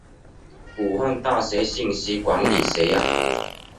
武汉大学信息管理学院